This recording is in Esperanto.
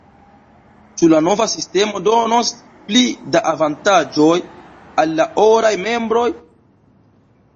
Ĉu la nova sistemo donos pli da avantaĝoj al la oraj membroj?